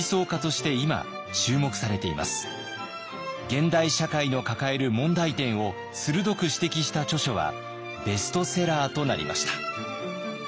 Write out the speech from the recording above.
現代社会の抱える問題点を鋭く指摘した著書はベストセラーとなりました。